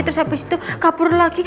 terus abis itu kapur lagi